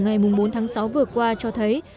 ngày bốn tháng sáu vừa qua cho thấy